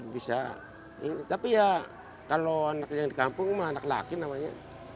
bisa tapi ya kalau anak yang di kampung cuma anak laki namanya